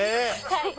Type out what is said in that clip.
はい。